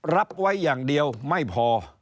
รับไว้อย่างเดียวไม่พอ